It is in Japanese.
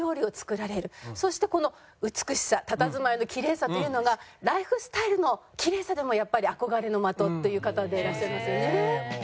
そしてこの美しさたたずまいのキレイさというのがライフスタイルのキレイさでもやっぱり憧れの的という方でいらっしゃいますよね。